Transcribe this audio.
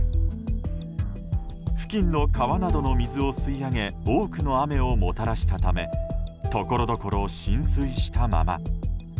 付近の川などの水を吸い上げ多くの雨をもたらしたためところどころ浸水したまま。